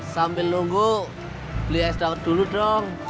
sambil nunggu beli es dawet dulu dong